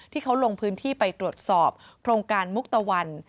ที่เขาลงพื้นที่ไปตรวจสอบโครงการมุกตะวัน